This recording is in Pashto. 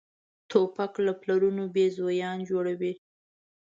توپک له پلارونو بېزویان جوړوي.